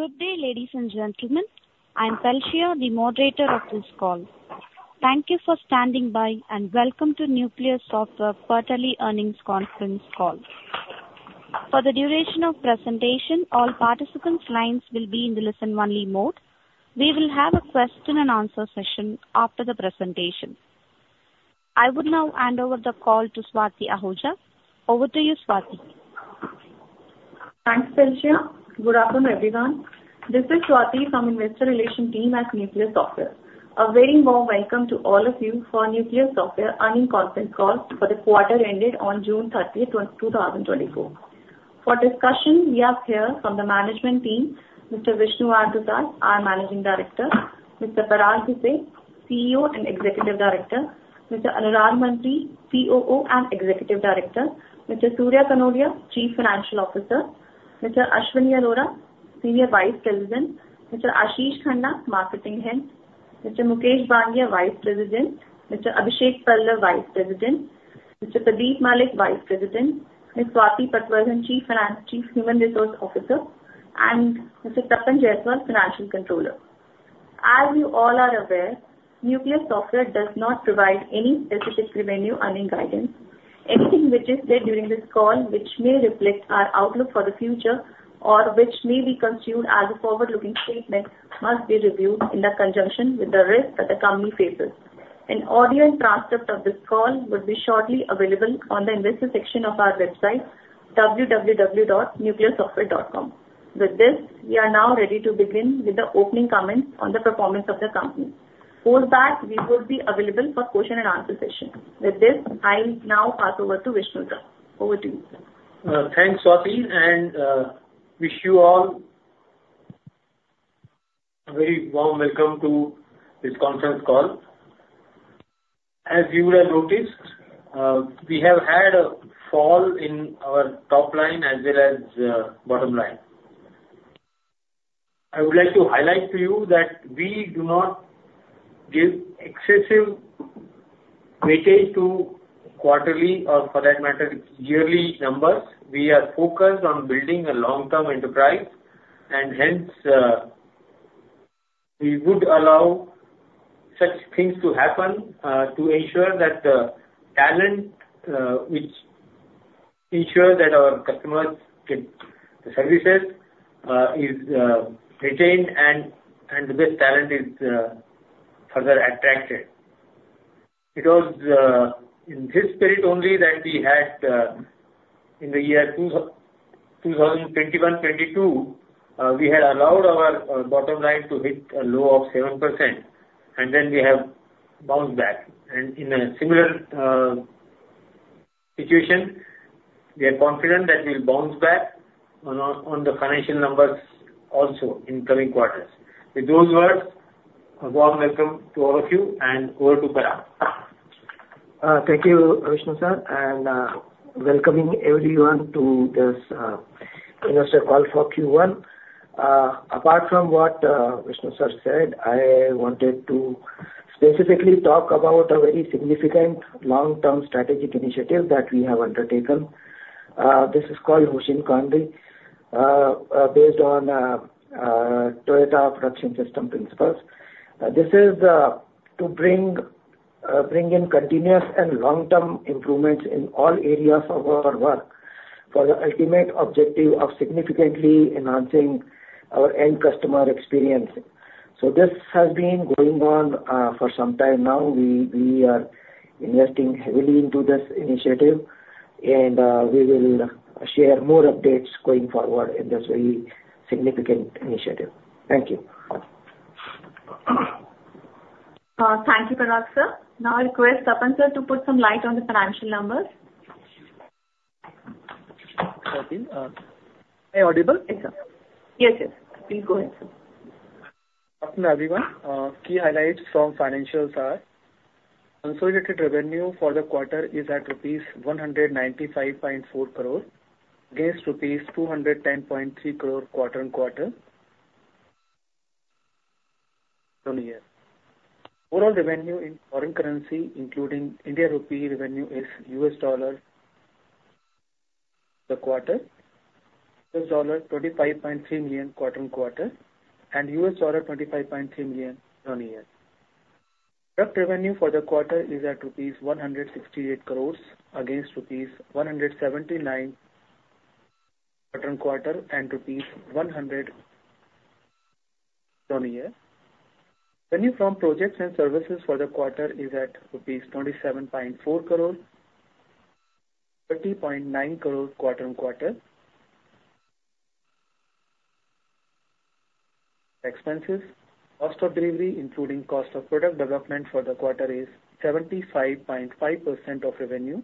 Good day, ladies and gentlemen. I'm Dilsha, the moderator of this call. Thank you for standing by, and welcome to Nucleus Software Quarterly Earnings Conference Call. For the duration of presentation, all participants' lines will be in the listen-only mode. We will have a question and answer session after the presentation. I would now hand over the call to Swati Ahuja. Over to you, Swati. Thanks, Dilsha. Good afternoon, everyone. This is Swati from Investor Relations team at Nucleus Software. A very warm welcome to all of you for Nucleus Software Earnings Conference Call for the quarter ended on June 30, 2024. For discussion, we have here from the management team, Mr. Vishnu R. Dusad, our Managing Director; Mr. Parag Bhise, CEO and Executive Director; Mr. Anurag Mantri, COO and Executive Director; Mr. Surya Kanoria, Chief Financial Officer; Mr. Ashwin Arora, Senior Vice President; Mr. Ashish Khanna, Marketing Head; Mr. Mukesh Bangia, Vice President; Mr. Abhishek Pallav, Vice President; Mr. Pradeep Malik, Vice President; Ms. Swati Patwardhan, Chief Human Resource Officer; and Mr. Tapan Jayaswal, Financial Controller. As you all are aware, Nucleus Software does not provide any specific revenue earning guidance. Anything which is said during this call which may reflect our outlook for the future or which may be construed as a forward-looking statement must be reviewed in conjunction with the risk that the company faces. An audio and transcript of this call will be shortly available on the investor section of our website, www.nucleussoftware.com. With this, we are now ready to begin with the opening comments on the performance of the company. Post that, we would be available for question and answer session. With this, I now pass over to Vishnu sir. Over to you, sir. Thanks, Swati, and wish you all a very warm welcome to this conference call. As you would have noticed, we have had a fall in our top line as well as bottom line. I would like to highlight to you that we do not give excessive weightage to quarterly, or for that matter, yearly numbers. We are focused on building a long-term enterprise, and hence, we would allow such things to happen to ensure that the talent which ensures that our customers get the services is retained, and the best talent is further attracted. It was in this spirit only that we had, in the year 2021-22, we had allowed our bottom line to hit a low of 7%, and then we have bounced back. And in a similar situation, we are confident that we'll bounce back on, on the financial numbers also in coming quarters. With those words, a warm welcome to all of you, and over to Parag. Thank you, Vishnu sir, and welcoming everyone to this investor call for Q1. Apart from what Vishnu sir said, I wanted to specifically talk about a very significant long-term strategic initiative that we have undertaken. This is called Hoshin Kanri, based on Toyota Production System principles. This is to bring in continuous and long-term improvements in all areas of our work, for the ultimate objective of significantly enhancing our end customer experience. So this has been going on for some time now. We are investing heavily into this initiative, and we will share more updates going forward in this very significant initiative. Thank you. Thank you, Parag sir. Now, I request Tapan sir to put some light on the financial numbers. Thank you. Am I audible? Yes, yes. Please go ahead, sir. Good afternoon, everyone. Key highlights from financials are: consolidated revenue for the quarter is at rupees 195.4 crores, against rupees 210.3 crores quarter-over-quarter, year-over-year. Overall revenue in foreign currency, including India rupee revenue, is U.S. dollar the quarter, $25.3 million quarter-over-quarter, and $25.3 million year-over-year. Product revenue for the quarter is at rupees 168 crores, against rupees 179 quarter-over-quarter and INR 100 year-over-year. Revenue from projects and services for the quarter is at rupees 27.4 crores, 30.9 crores quarter-over-quarter. Expenses, cost of delivery, including cost of product development for the quarter, is 75.5% of revenue,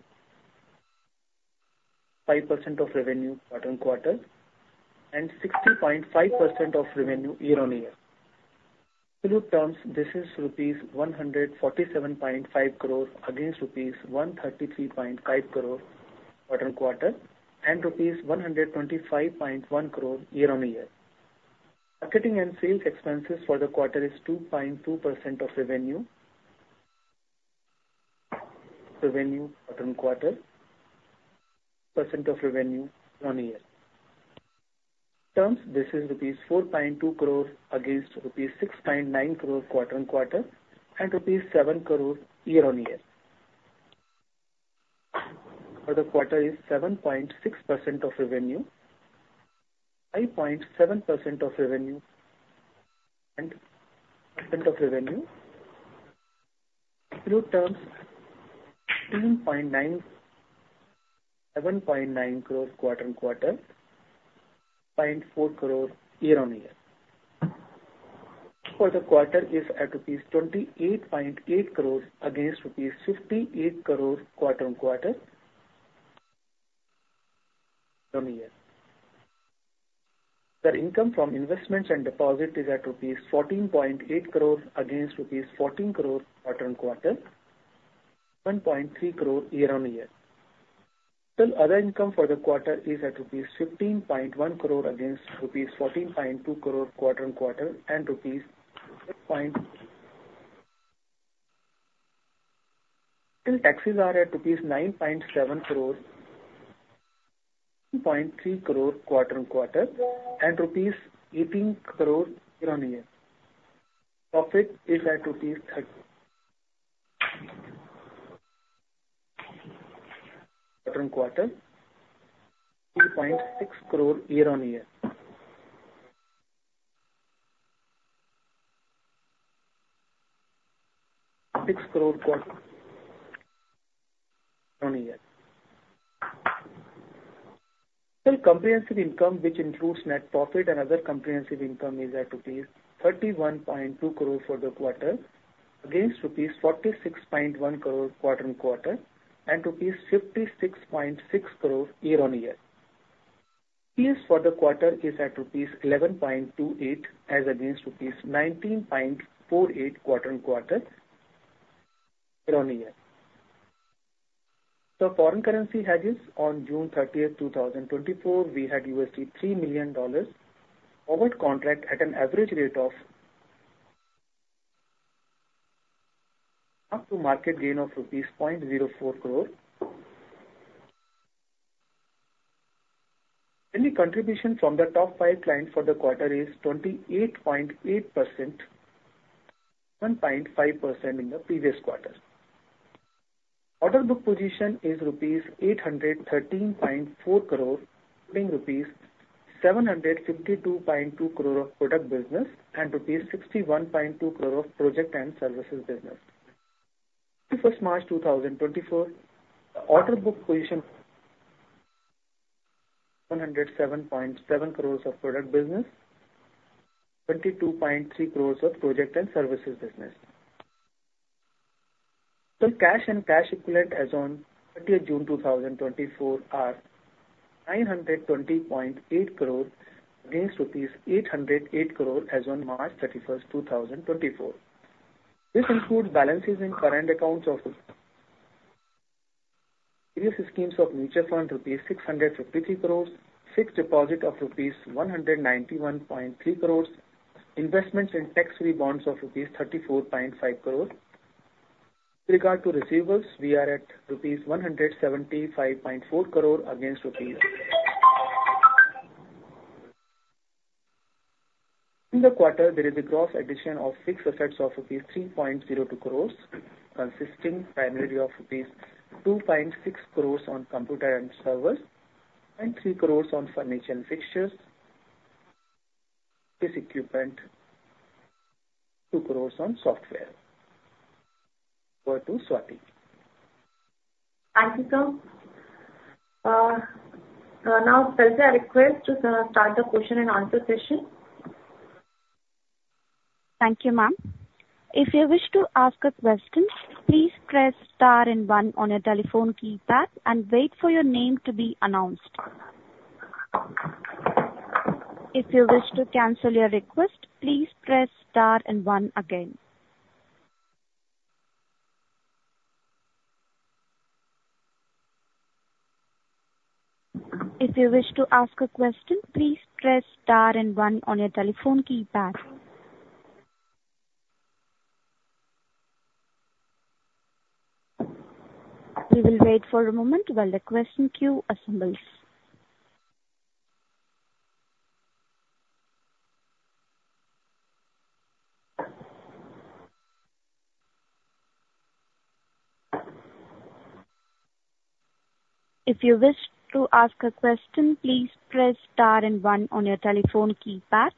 5% of revenue quarter-on-quarter, and 60.5% of revenue year-on-year. Absolute terms, this is rupees 147.5 crores, against rupees 133.5 crores quarter-on-quarter, and rupees 125.1 crores year-on-year. Marketing and sales expenses for the quarter is 2.2% of revenue revenue quarter-on-quarter, % of revenue year-on-year. Terms, this is rupees 4.2 crores against rupees 6.9 crores quarter-on-quarter, and rupees 7 crores year-on-year. For the quarter is 7.6% of revenue, 5.7% of revenue, and % of revenue. Absolute terms, 7.9, 7.9 crores quarter-on-quarter, 0.4 crore year-on-year. For the quarter is at rupees 28.8 crores, against rupees 58 crores quarter-over-quarter year-over-year. The income from investments and deposits is at rupees 14.8 crores, against rupees 14 crores quarter-over-quarter, 1.3 crore year-over-year. Still, other income for the quarter is at rupees 15.1 crore, against rupees 14.2 crore quarter-over-quarter, and INR six point. Still, taxes are at rupees 9.7 crores, 2.3 crore quarter-over-quarter, and rupees 18 crore year-over-year. Profit is at rupees 30 quarter-over-quarter, 3.6 crore year-over-year. six crore quarter-over-year. Total comprehensive income, which includes net profit and other comprehensive income, is at rupees 31.2 crore for the quarter, against rupees 46.1 crore quarter-over-quarter, and rupees 56.6 crore year-over-year. EPS for the quarter is at rupees 11.28, as against rupees 19.48 quarter-over-quarter, year-over-year. The foreign currency hedges on June 30th, 2024, we had $3 million forward contract at an average rate of mark-to-market gain of INR 0.04 crore. Any contribution from the top five clients for the quarter is 28.8%, 1.5% in the previous quarter. Order book position is rupees 813.4 crore, including rupees 752.2 crore of product business and rupees 61.2 crore of project and services business. March 31, 2024, the order book position, 107.7 crores of product business, 22.3 crores of project and services business. So cash and cash equivalent as on 30 June 2024 are 920.8 crore, against rupees 808 crore as on March 31, 2024. This includes balances in current accounts of various schemes of mutual fund, rupees 653 crore, fixed deposit of rupees 191.3 crore, investments in tax-free bonds of rupees 34.5 crore. With regard to receivables, we are at rupees 175.4 crore against rupees. In the quarter, there is a gross addition of fixed assets of rupees 3.02 crore, consisting primarily of rupees 2.6 crore on computer and servers, and three crore on furniture and fixtures, this equipment, two crore on software. Over to Swati. Thank you, sir. Now may I request to start the question and answer session? Thank you, ma'am. If you wish to ask a question, please press star and one on your telephone keypad and wait for your name to be announced. If you wish to cancel your request, please press star and one again. If you wish to ask a question, please press star and one on your telephone keypad. We will wait for a moment while the question queue assembles. If you wish to ask a question, please press star and one on your telephone keypad.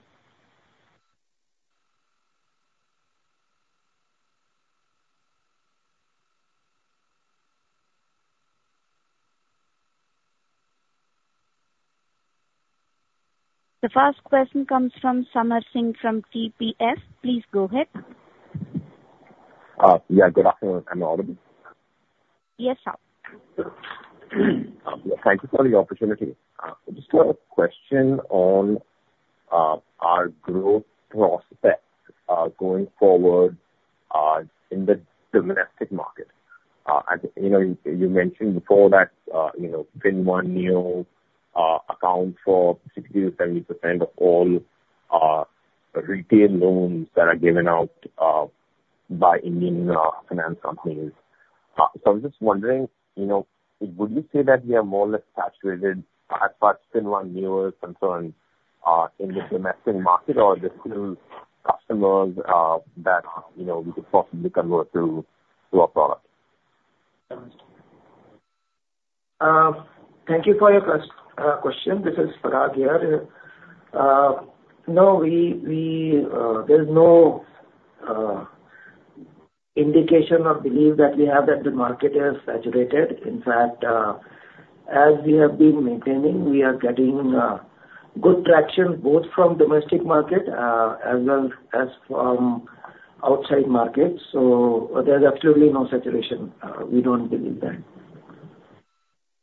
The first question comes from Samar Singh from TPS. Please go ahead. Yeah, good afternoon. Am I audible? Yes, sir. Yeah, thank you for the opportunity. I just have a question on our growth prospects going forward in the domestic market. I, you know, you mentioned before that, you know, FinnOne Neo account for 60%-70% of all retail loans that are given out by Indian finance companies. So I'm just wondering, you know, would you say that we are more or less saturated as far as FinnOne Neo is concerned in the domestic market or there's still customers that, you know, we could possibly convert to our product? Thank you for your question. This is Parag here. No, there's no indication or belief that we have that the market is saturated. In fact, as we have been maintaining, we are getting good traction both from domestic market as well as from outside markets. So there's absolutely no saturation. We don't believe that.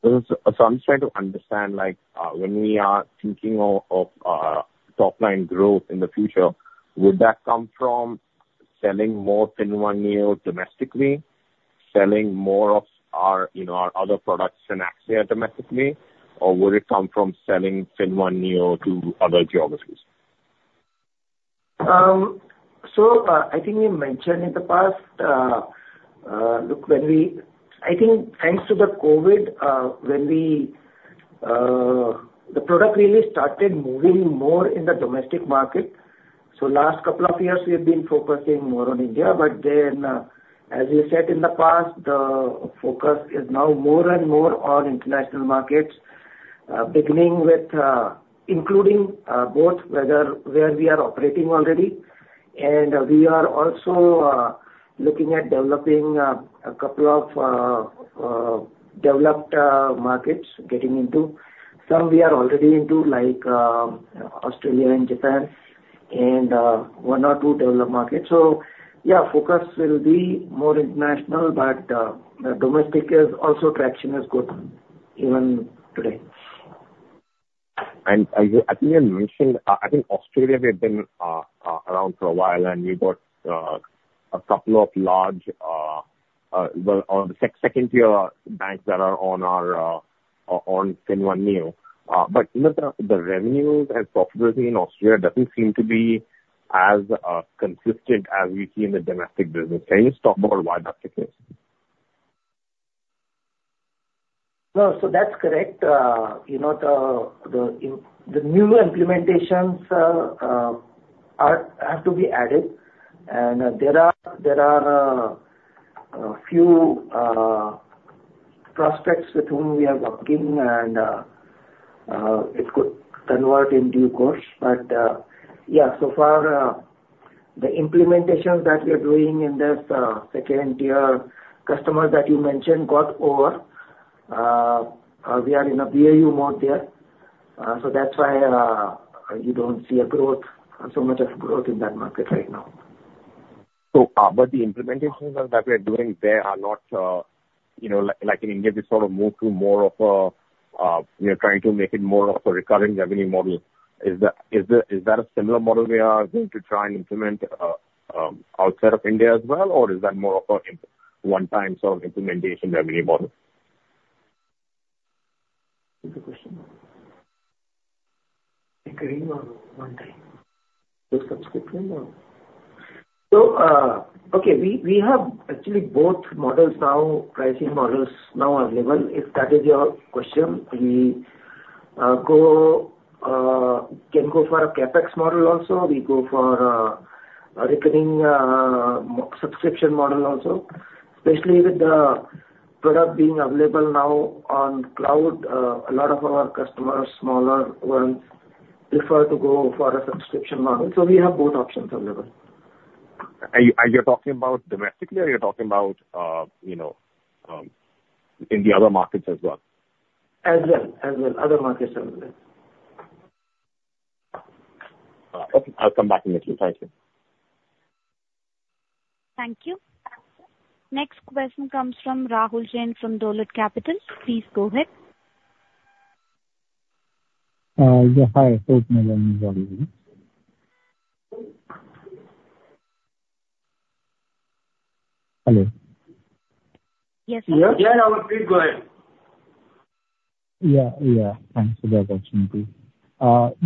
So, I'm trying to understand, like, when we are thinking of top line growth in the future, would that come from selling more FinnOne Neo domestically, selling more of our, you know, our other products in FinnAxia domestically, or would it come from selling FinnOne Neo to other geographies? I think we mentioned in the past. I think thanks to the COVID, when we, the product really started moving more in the domestic market. So last couple of years, we have been focusing more on India. But then, as we said in the past, the focus is now more and more on international markets, beginning with, including both whether where we are operating already. And we are also looking at developing a couple of developed markets getting into. Some we are already into, like Australia and Japan and one or two developed markets. So yeah, focus will be more international, but the domestic is also traction is good even today. As you, I think you mentioned, I think Australia, we have been around for a while, and we've got a couple of large, well, on the second tier banks that are on our FinnOne Neo. But, you know, the revenues and profitability in Australia doesn't seem to be as consistent as we see in the domestic business. Can you talk about why that's the case? No. So that's correct. You know, the new implementations are have to be added, and there are a few prospects with whom we are working and it could convert in due course. But yeah, so far, the implementations that we are doing in this second tier customers that you mentioned, got over, we are in a BAU mode there. So that's why you don't see a growth, so much of growth in that market right now. So, but the implementations that we are doing there are not, you know, like, like in India, we sort of move to more of a, we are trying to make it more of a recurring revenue model. Is that, is that, is that a similar model we are going to try and implement, outside of India as well? Or is that more of a one-time sort of implementation revenue model? Repeat the question. Recurring or one time? The subscription model. So, okay, we have actually both models now, pricing models now available. If that is your question, we can go for a CapEx model also. We go for a recurring, subscription model also. Especially with the product being available now on cloud, a lot of our customers, smaller ones, prefer to go for a subscription model. So we have both options available. Are you, are you talking about domestically or are you talking about, you know, in the other markets as well? As well. As well. Other markets as well. Okay. I'll come back to you. Thank you. Thank you. Next question comes from Rahul Jain, from Dolat Capital. Please go ahead. Yeah. Hi, Yes, Rahul, please go ahead. Yeah, yeah. Thanks for the opportunity.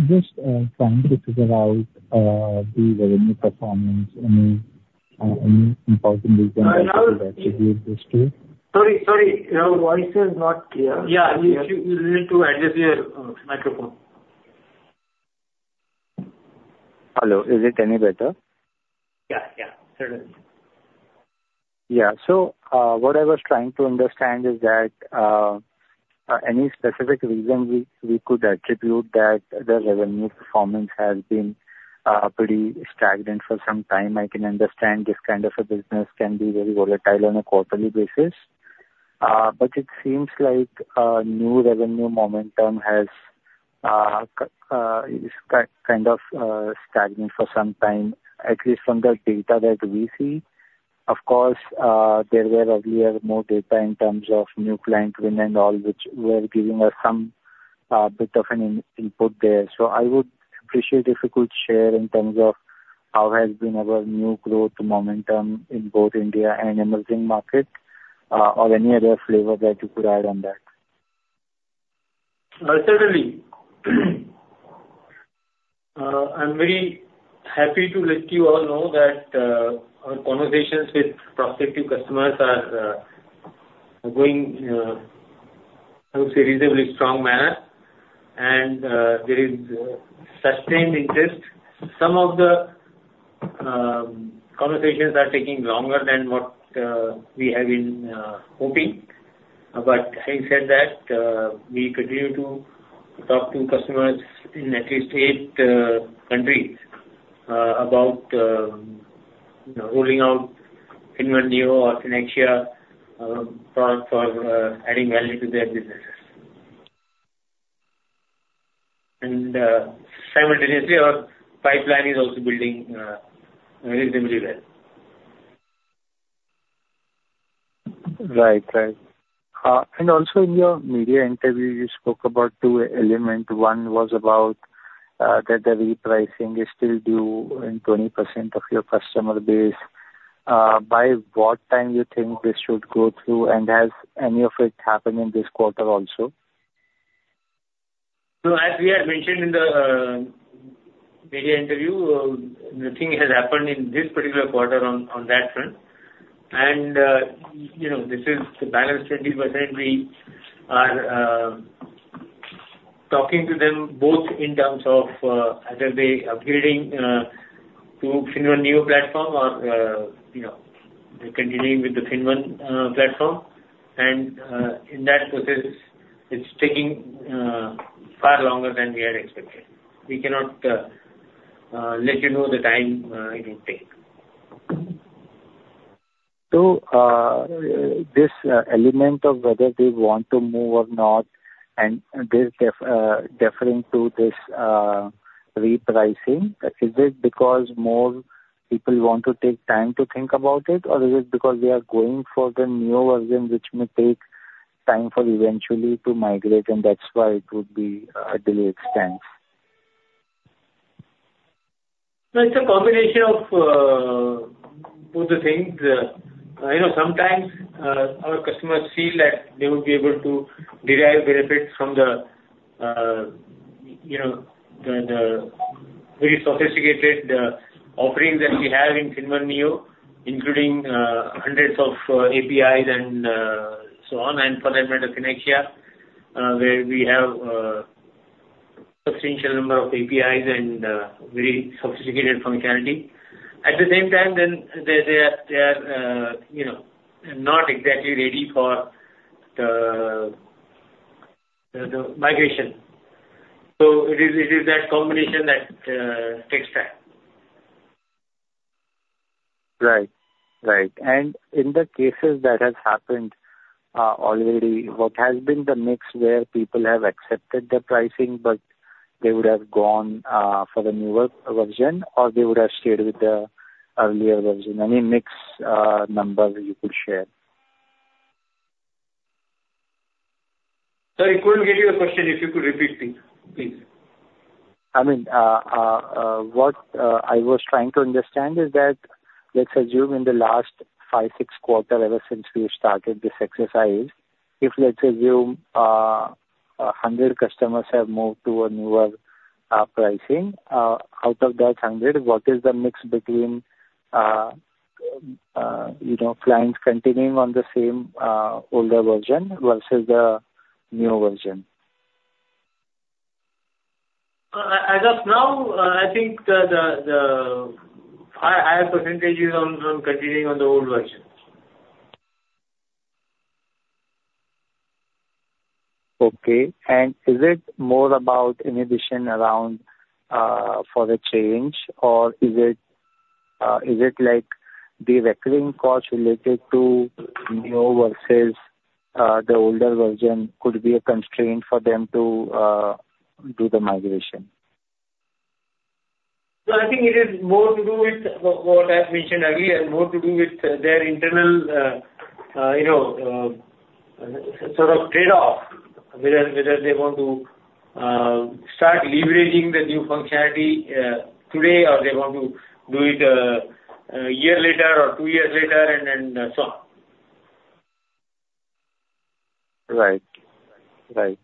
Just trying to figure out the revenue performance, any important reasons- Uh, Rahul- to this too? Sorry, sorry, your voice is not clear. Yeah, you need to adjust your microphone. Hello, is it any better? Yeah, yeah, sure is. Yeah. So, what I was trying to understand is that, any specific reason we could attribute that the revenue performance has been, pretty stagnant for some time. I can understand this kind of a business can be very volatile on a quarterly basis. But it seems like, new revenue momentum has, is kind of, stagnant for some time, at least from the data that we see. Of course, there were earlier more data in terms of new client win and all, which were giving us some, bit of an input there. So I would appreciate if you could share in terms of how has been our new growth momentum in both India and emerging markets, or any other flavor that you could add on that?... Certainly. I'm very happy to let you all know that, our conversations with prospective customers are going, I would say, reasonably strong manner, and, there is sustained interest. Some of the conversations are taking longer than what we have been hoping. But having said that, we continue to talk to customers in at least eight countries about rolling out FinnOne Neo or FinnAxia for adding value to their businesses. And, simultaneously, our pipeline is also building reasonably well. Right. Right. And also in your media interview, you spoke about two elements. One was about, that the repricing is still due in 20% of your customer base. By what time you think this should go through, and has any of it happened in this quarter also? So as we had mentioned in the media interview, nothing has happened in this particular quarter on that front. And, you know, this is the balance 20% we are talking to them both in terms of either they upgrading to FinnOne Neo platform or, you know, continuing with the FinnOne platform. And, in that process, it's taking far longer than we had expected. We cannot let you know the time it will take. So, this element of whether they want to move or not, and this deferring to this repricing, is it because more people want to take time to think about it? Or is it because they are going for the Neo version, which may take time for eventually to migrate, and that's why it would be a delayed stance? So it's a combination of both the things. You know, sometimes our customers feel that they would be able to derive benefits from the, you know, the very sophisticated offerings that we have in FinnOne Neo, including hundreds of APIs and so on, and for that matter, FinnAxia, where we have substantial number of APIs and very sophisticated functionality. At the same time, then they, they are, they are, you know, not exactly ready for the, the migration. So it is, it is that combination that takes time. Right. Right. And in the cases that has happened, already, what has been the mix, where people have accepted the pricing, but they would have gone, for the newer version, or they would have stayed with the earlier version? Any mix, numbers you could share? I couldn't get your question. If you could repeat, please, please. I mean, what I was trying to understand is that, let's assume in the last five, six quarters, ever since we started this exercise, if let's assume 100 customers have moved to a newer pricing, out of that 100, what is the mix between, you know, clients continuing on the same older version versus the new version? As of now, I think the higher percentage is on continuing on the old version. Okay. And is it more about inhibition around for the change, or is it like the recurring costs related to Neo versus the older version could be a constraint for them to do the migration? So I think it is more to do with what, what I've mentioned earlier, more to do with, their internal, you know, sort of trade-off, whether, whether they want to, start leveraging the new functionality, today, or they want to do it, a year later or two years later, and then, so on. Right. Right.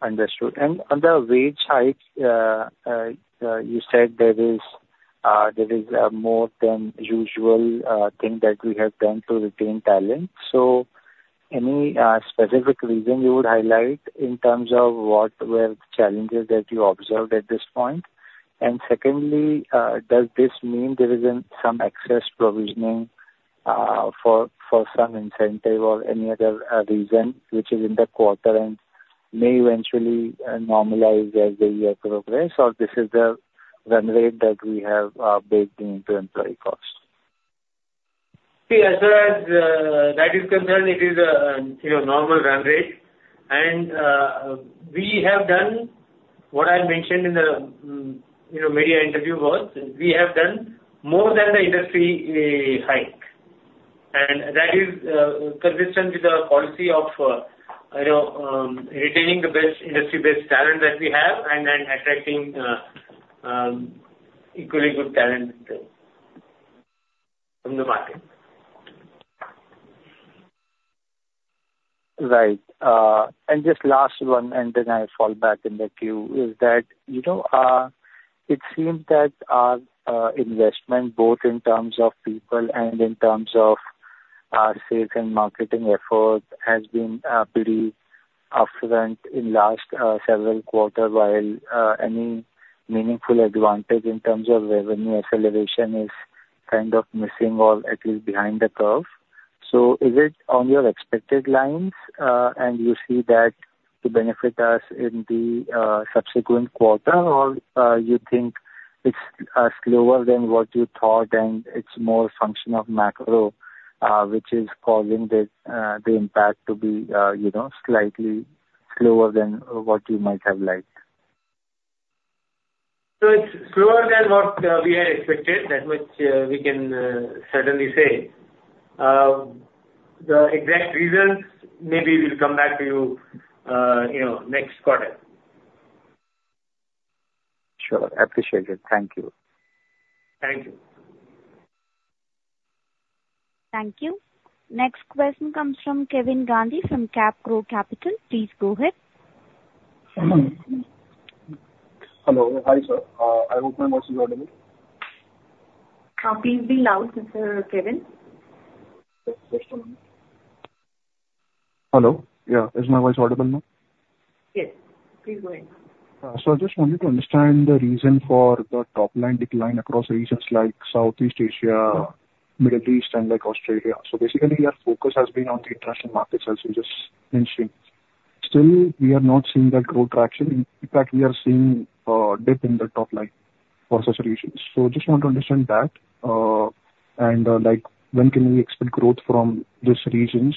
Understood. And on the wage hike, you said there is more than usual thing that we have done to retain talent. So any specific reason you would highlight in terms of what were the challenges that you observed at this point? And secondly, does this mean there isn't some excess provisioning for some incentive or any other reason which is in the quarter and may eventually normalize as the year progress, or this is the run rate that we have baked into employee costs? See, as far as that is concerned, it is a you know, normal run rate. And we have done what I mentioned in the you know, media interview was, we have done more than the industry hike. And that is consistent with the policy of you know, retaining the best industry-based talent that we have and and attracting equally good talent there.... from the market. Right. And just last one, and then I fall back in the queue, is that, you know, it seems that our investment, both in terms of people and in terms of our sales and marketing efforts, has been pretty affluent in last several quarters, while any meaningful advantage in terms of revenue acceleration is kind of missing or at least behind the curve. So is it on your expected lines, and you see that to benefit us in the subsequent quarter? Or you think it's slower than what you thought and it's more function of macro, which is causing the impact to be, you know, slightly slower than what you might have liked? It's slower than what we had expected, that much we can certainly say. The exact reasons, maybe we'll come back to you, you know, next quarter. Sure. Appreciate it. Thank you. Thank you. Thank you. Next question comes from Kevin Gandhi, from CapGrow Capital. Please go ahead. Hello. Hi, sir. I hope my voice is audible. Please be loud, Mr. Kevin. Just, just a moment. Hello. Yeah. Is my voice audible now? Yes. Please go ahead. So I just wanted to understand the reason for the top line decline across regions like Southeast Asia, Middle East, and like Australia. So basically, your focus has been on the international markets, as you just mentioned. Still, we are not seeing that growth traction. In fact, we are seeing, dip in the top line for such regions. So just want to understand that. And, like, when can we expect growth from these regions?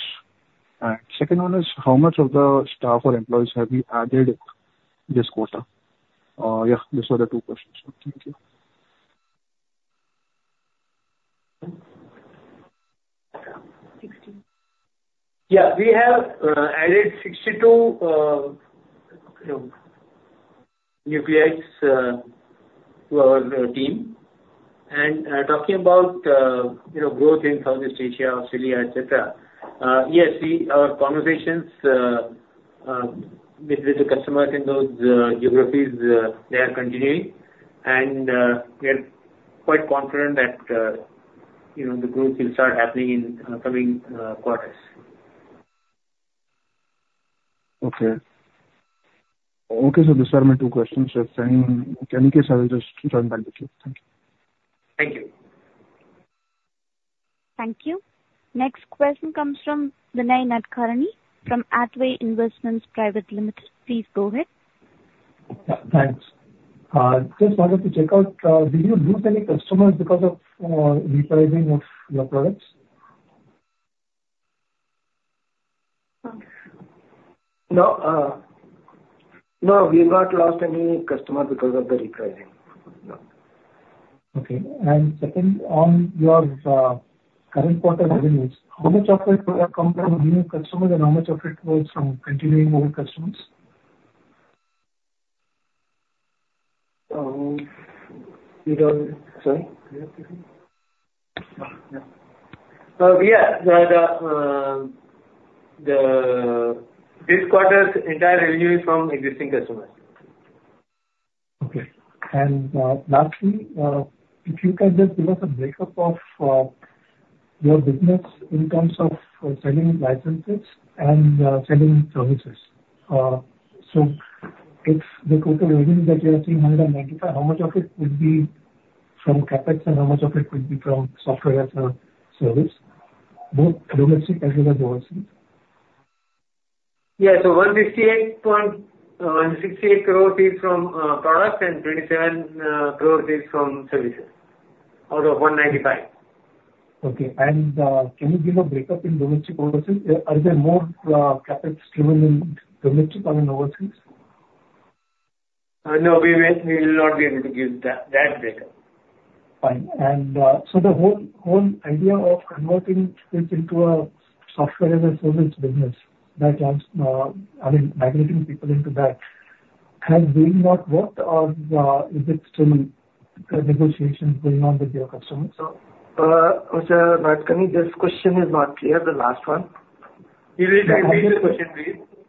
And second one is, how much of the staff or employees have you added this quarter? Yeah, these are the two questions. Thank you. Sixty. Yeah. We have added 62, you know, Nucleus to our team. Talking about, you know, growth in Southeast Asia, Australia, et cetera, yes, our conversations with the customers in those geographies, they are continuing, and we are quite confident that, you know, the growth will start happening in coming quarters. Okay. Okay, so these are my two questions, just saying. In any case, I will just join back with you. Thank you. Thank you. Thank you. Next question comes from Vinay Nadkarni from Hathway Investments Private Limited. Please go ahead. Thanks. Just wanted to check out, did you lose any customers because of repricing of your products? Okay. No, no, we've not lost any customers because of the repricing. No. Okay. And second, on your current quarter revenues, how much of it would have come from new customers, and how much of it was from continuing old customers? Sorry? Yeah. We are, this quarter's entire revenue is from existing customers. Okay. Lastly, if you can just give us a break-up of your business in terms of selling licenses and selling services. So if the total revenue that you are seeing, 195, how much of it would be from CapEx, and how much of it would be from software as a service? Both domestic as well as overseas. Yeah. So 168 crore is from product, and 27 crore is from services, out of 195 crore. Okay. And, can you give a break-up in domestic, overseas? Are there more CapEx-driven in domestic or in overseas? No, we will not be able to give that breakup. Fine. And, so the whole idea of converting this into a software as a service business that wants, I mean, migrating people into that, has that not worked, or, is it still negotiations going on with your customers? Mr. Nadkarni, this question is not clear, the last one. Can you repeat the question, please?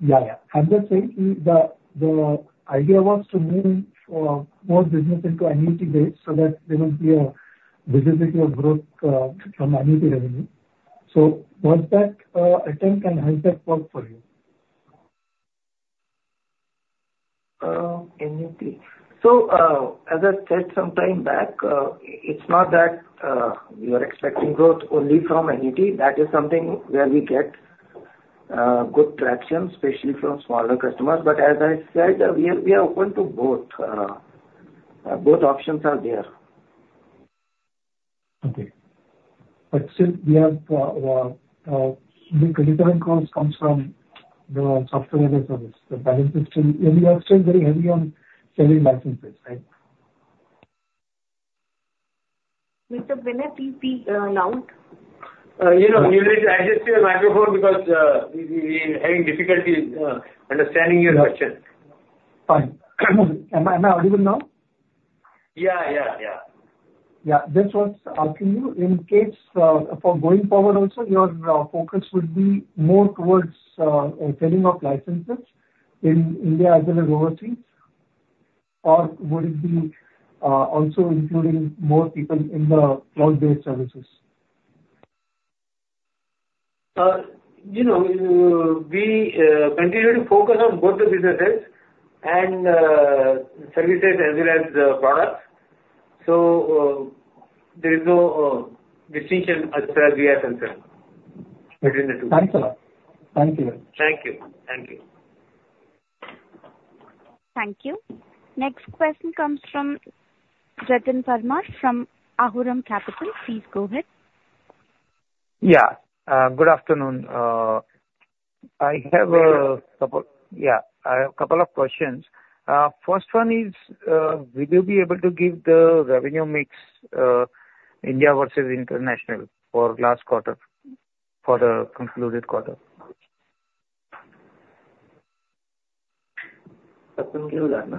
Yeah, yeah. I'm just saying is the, the idea was to move, more business into annuity base so that there will be a visibility of growth, from annuity revenue. So was that, attempt and has that worked for you? Annuity. So, as I said some time back, it's not that you are expecting growth only from annuity. That is something where we get good traction, especially from smaller customers. But as I said, we are open to both. Both options are there. Okay. But since we have, the recurring costs comes from the software as a service, the balance is still... You are still very heavy on selling licenses, right? Mr. Vinay, please be loud.... You know, need to adjust your microphone because we're having difficulty understanding your question. Fine. Am I, am I audible now? Yeah, yeah, yeah. Yeah. Just was asking you, in case, for going forward also, your focus would be more towards selling of licenses in India as well as overseas, or would it be also including more people in the cloud-based services? You know, we continue to focus on both the businesses and services as well as the products. So, there is no distinction as we are concerned between the two. Thanks a lot. Thank you. Thank you. Thank you. Thank you. Next question comes from Jatin Verma from Aurum Capital. Please go ahead. Yeah. Good afternoon. I have a couple- Hello? Yeah, I have a couple of questions. First one is, will you be able to give the revenue mix, India versus international for last quarter, for the concluded quarter? Surya, give that,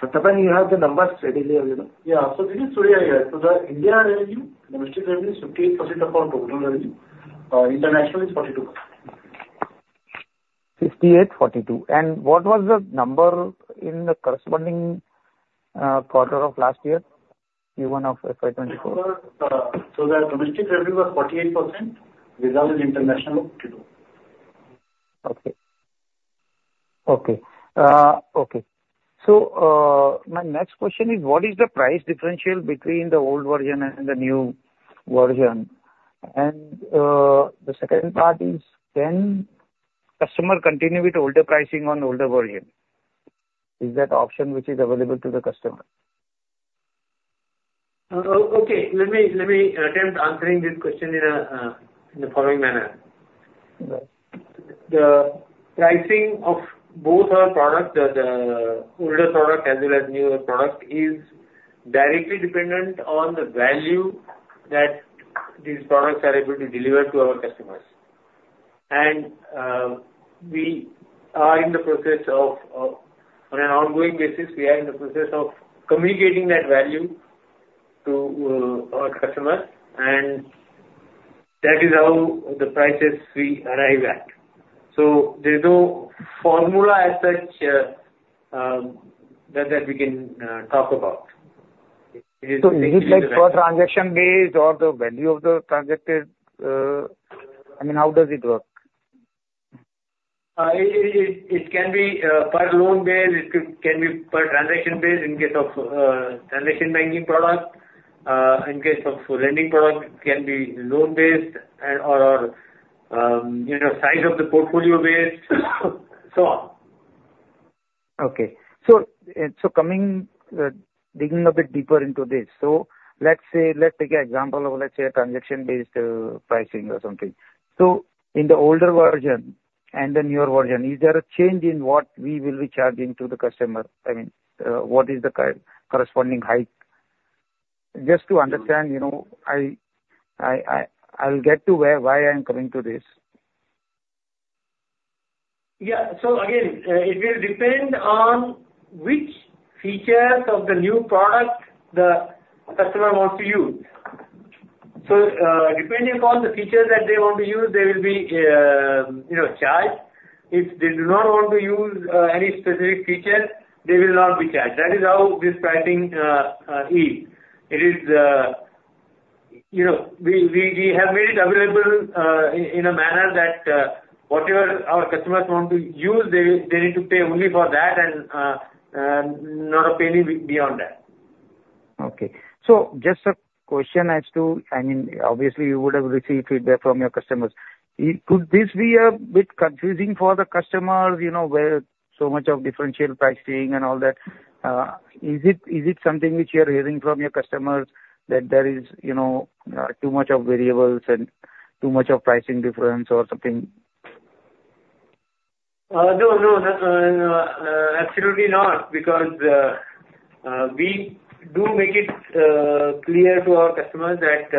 huh? Surya, you have the numbers readily available? Yeah. So this is Surya here. So the India revenue, domestic revenue, is 58% of our total revenue. International is 42%. 58, 42. What was the number in the corresponding quarter of last year, Q1 of FY 2024? So the domestic revenue was 48%, the rest is international, 52%. Okay. So, my next question is: What is the price differential between the old version and the new version? And, the second part is: Can customer continue with older pricing on older version? Is that option which is available to the customer? Okay, let me, let me attempt answering this question in a, in the following manner. Mm-hmm. The pricing of both our products, the older product as well as newer product, is directly dependent on the value that these products are able to deliver to our customers. We are in the process of, on an ongoing basis, we are in the process of communicating that value to our customers, and that is how the prices we arrive at. There's no formula as such that we can talk about. So is it like for transaction base or the value of the transaction? I mean, how does it work? It can be per loan basis. It can be per transaction basis, in case of transaction banking product. In case of lending product, it can be loan-based and/or, you know, size of the portfolio basis, so on. Okay. So coming, digging a bit deeper into this. So let's say, let's take an example of, let's say, a transaction-based pricing or something. So in the older version and the newer version, is there a change in what we will be charging to the customer? I mean, what is the corresponding hike? Just to understand, you know, I, I'll get to where, why I'm coming to this. Yeah. So again, it will depend on which features of the new product the customer wants to use. So, depending upon the features that they want to use, they will be, you know, charged. If they do not want to use any specific feature, they will not be charged. That is how this pricing is. It is. You know, we have made it available in a manner that whatever our customers want to use, they need to pay only for that and not a penny beyond that. Okay. So just a question as to, I mean, obviously you would have received feedback from your customers. Could this be a bit confusing for the customers, you know, where so much of differential pricing and all that? Is it something which you're hearing from your customers, that there is, you know, too much of variables and too much of pricing difference or something? No, no, absolutely not, because we do make it clear to our customers that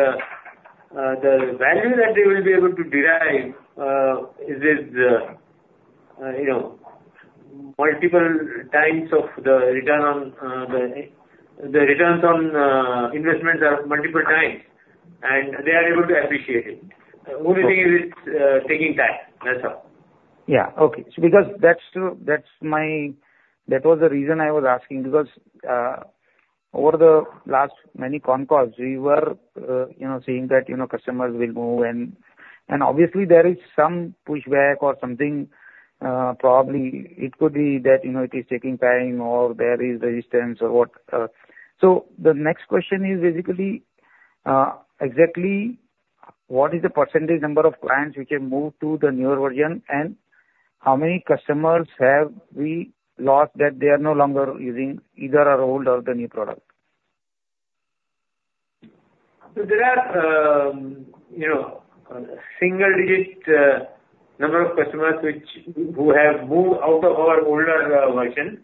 the value that they will be able to derive is, you know, multiple times of the return on the returns on investments are multiple times, and they are able to appreciate it. Okay. Only thing is it's taking time, that's all. Yeah. Okay. So because that's true, that's my... That was the reason I was asking, because, over the last many concalls, we were, you know, seeing that, you know, customers will move, and, and obviously there is some pushback or something. Probably it could be that, you know, it is taking time or there is resistance or what... So the next question is basically, exactly what is the percentage number of clients which have moved to the newer version, and how many customers have we lost, that they are no longer using either our old or the new product? So there are, you know, single digit number of customers which, who, who have moved out of our older version.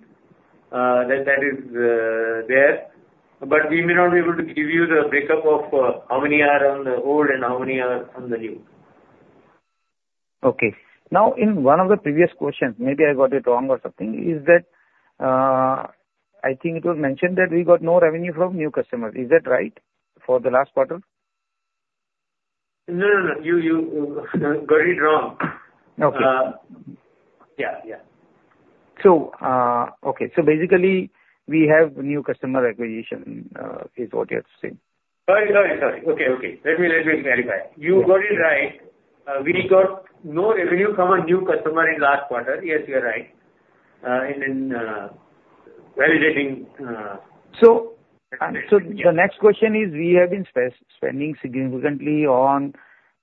That, that is there, but we may not be able to give you the breakup of how many are on the old and how many are on the new. Okay. Now, in one of the previous questions, maybe I got it wrong or something, is that, I think it was mentioned that we got no revenue from new customers. Is that right, for the last quarter? No, no, no. You, you, you got it wrong. Okay. Yeah, yeah. Okay, so basically, we have new customer acquisition, is what you are saying? Sorry, sorry, sorry. Okay, okay. Let me, let me clarify. Okay. You got it right. We got no revenue from a new customer in last quarter. Yes, you are right. And then, validating, So, so the next question is, we have been spending significantly on,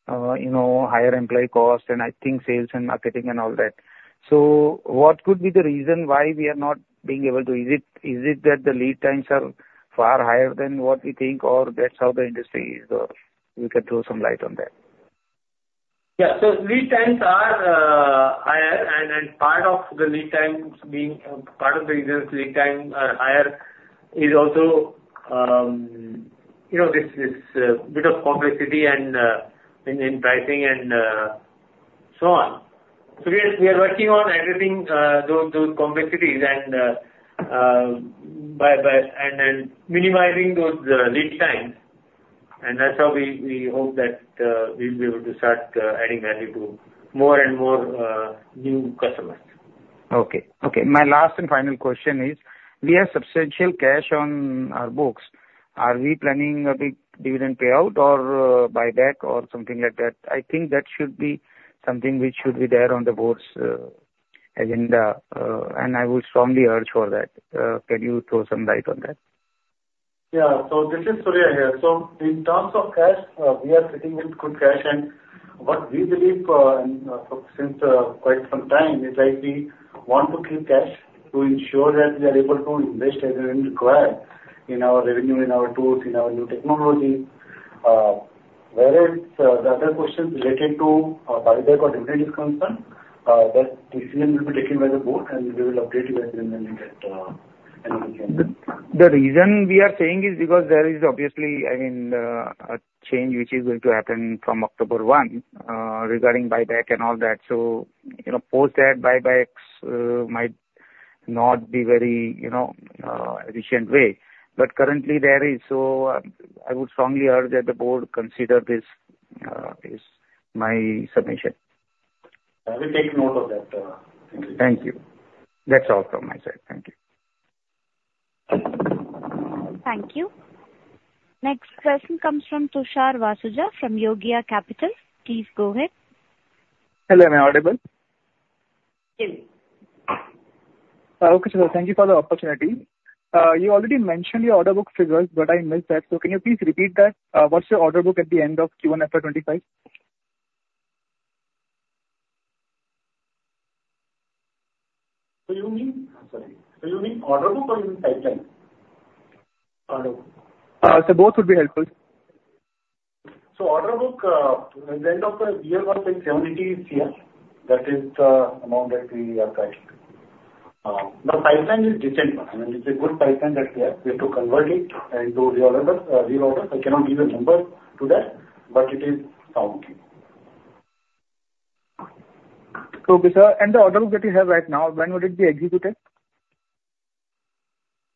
you know, higher employee costs, and I think sales and marketing and all that. So what could be the reason why we are not being able to... Is it, is it that the lead times are far higher than what we think, or that's how the industry is? You can throw some light on that. Yeah. So lead times are higher, and part of the lead times being part of the reason lead times are higher is also, you know, this bit of complexity and in pricing and so on. So we are working on addressing those complexities and minimizing those lead times, and that's how we hope that we'll be able to start adding value to more and more new customers. Okay. Okay, my last and final question is, we have substantial cash on our books. Are we planning a big dividend payout or, buyback or something like that? I think that should be something which should be there on the board's, agenda, and I would strongly urge for that. Can you throw some light on that? Yeah. So this is Surya here. So in terms of cash, we are sitting with good cash, and what we believe, and, since, quite some time, is that we want to keep cash to ensure that we are able to invest as and when required in our revenue, in our tools, in our new technology. Whereas, the other question related to, buyback or dividend is concerned, that decision will be taken by the board, and we will update you as and when we get, any agenda. The reason we are saying is because there is obviously, I mean, a change which is going to happen from October 1, regarding buyback and all that. So, you know, post that, buybacks, might not be very, you know, efficient way. But currently there is, so, I would strongly urge that the board consider this, is my submission. I will take note of that. Thank you. That's all from my side. Thank you. Thank you. Next question comes from Tushar Vasuja from Yogya Capital. Please go ahead. Hello, am I audible? Yes. Okay, sir. Thank you for the opportunity. You already mentioned your order book figures, but I missed that. So can you please repeat that? What's your order book at the end of Q1 FY 25? Do you mean... Sorry, do you mean order book or you mean pipeline? Order book. So both would be helpful. Order book at the end of the year was like 70 crore. That is the amount that we are tracking. The pipeline is decent. I mean, it's a good pipeline that we have. We have to convert it into real numbers, real orders. I cannot give a number to that, but it is sounding. Okay, sir. And the order book that you have right now, when would it be executed?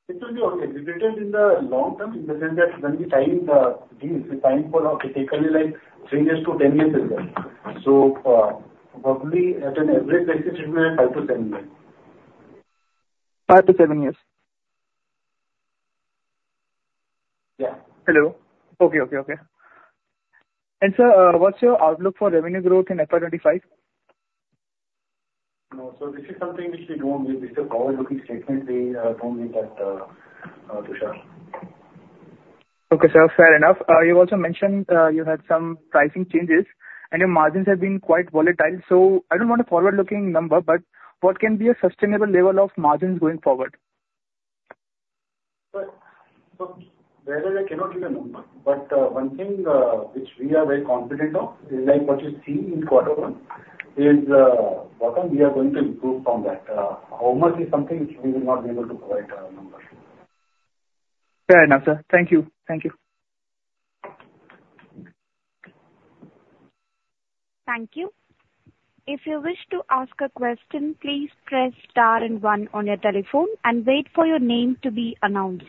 It will be executed in the long term, in the sense that when the time gives the time for typically like three years to 10 years is there. So, probably at an average basis, it may be five to seven years. 5-7 years? Yeah. Hello? Okay, okay, okay. And sir, what's your outlook for revenue growth in FY 25? No, so this is something which we don't need. This is a forward-looking statement. We don't need that, Tushar. Okay, sir, fair enough. You also mentioned you had some pricing changes, and your margins have been quite volatile, so I don't want a forward-looking number, but what can be a sustainable level of margins going forward? Well, so there I cannot give a number, but one thing which we are very confident of is like what you see in quarter one is bottom. We are going to improve from that. How much is something which we will not be able to provide a number. Fair enough, sir. Thank you. Thank you. Thank you. If you wish to ask a question, please press star and one on your telephone and wait for your name to be announced.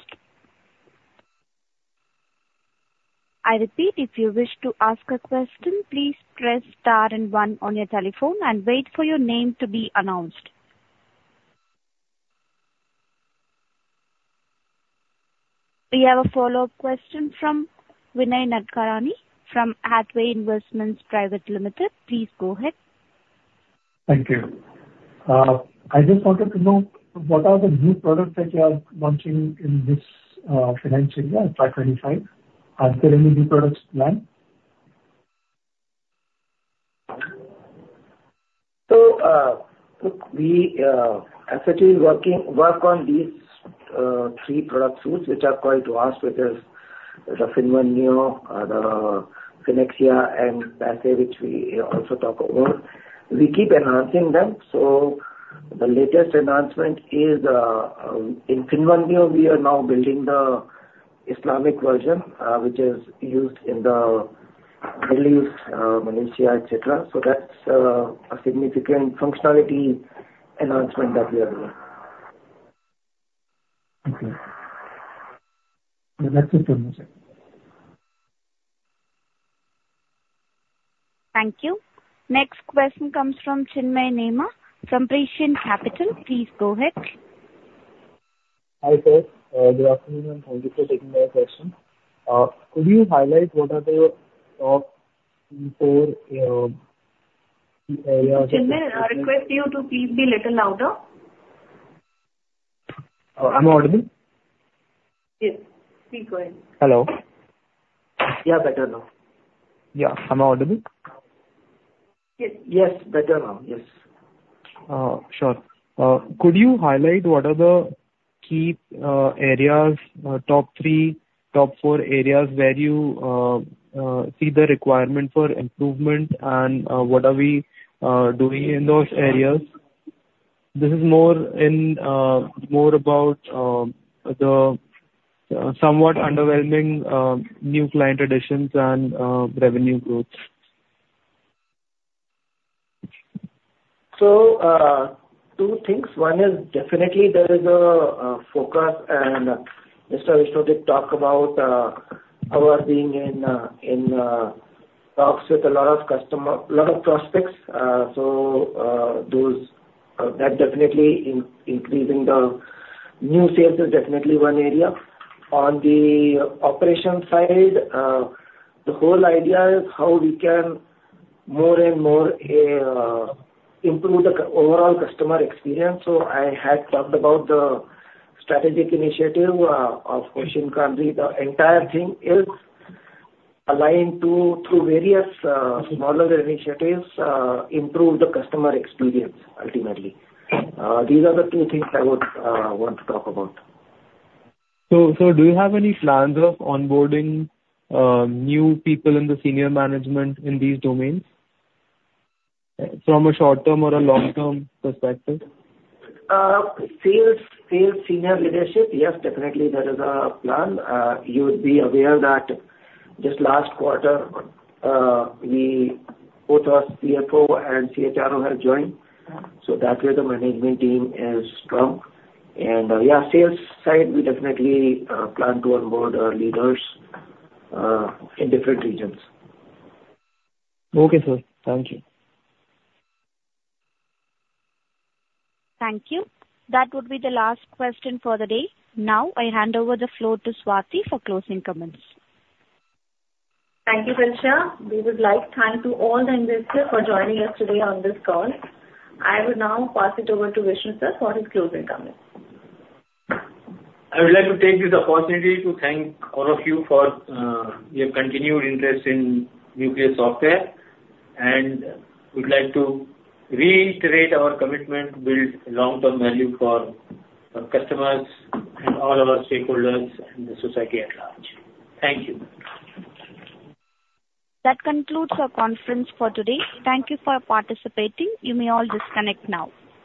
I repeat, if you wish to ask a question, please press star and one on your telephone and wait for your name to be announced. We have a follow-up question from Vinay Nadkarni from Hathway Investments Private Limited. Please go ahead. Thank you. I just wanted to know what are the new products that you are launching in this financial year, FY 25. Are there any new products planned? So, we actually work on these three product suites, which are going to us with this,... the FinnOne Neo, the FinnAxia, and PaySe, which we also talk about. We keep enhancing them, so the latest enhancement is, in FinnOne Neo, we are now building the Islamic version, which is used in the Middle East, Malaysia, et cetera. So that's, a significant functionality enhancement that we are doing. Okay. That's it from my side. Thank you. Next question comes from Chinmay Nema from Prescient Capital. Please go ahead. Hi, sir. Good afternoon, and thank you for taking my question. Could you highlight what are the top four, key areas- Chinmay, I request you to please be a little louder. Am I audible? Yes. Please go ahead. Hello. Yeah, better now. Yeah. Am I audible? Yes, yes, better now. Yes. Sure. Could you highlight what are the key areas, top three, top four areas where you see the requirement for improvement and what are we doing in those areas? This is more about the somewhat underwhelming new client additions and revenue growth. So, two things. One is definitely there is a focus, and Mr. Vishnu did talk about our being in talks with a lot of prospects. So, those that definitely increasing the new sales is definitely one area. On the operation side, the whole idea is how we can more and more improve the overall customer experience. I had talked about the strategic initiative of Hoshin Kanri. The entire thing is aligned to, through various smaller initiatives, improve the customer experience ultimately. These are the two things I would want to talk about. So, do you have any plans of onboarding new people in the senior management in these domains from a short-term or a long-term perspective? Sales senior leadership, yes, definitely, there is a plan. You would be aware that just last quarter, we both our CFO and CHRO have joined, so that way the management team is strong. Yeah, sales side, we definitely plan to onboard our leaders in different regions. Okay, sir. Thank you. Thank you. That would be the last question for the day. Now, I hand over the floor to Swati for closing comments. Thank you, Dilsha. We would like to thank all the investors for joining us today on this call. I will now pass it over to Vishnu, sir, for his closing comments. I would like to take this opportunity to thank all of you for your continued interest in Nucleus Software, and I would like to reiterate our commitment to build long-term value for our customers and all our stakeholders and the society at large. Thank you. That concludes our conference for today. Thank you for participating. You may all disconnect now.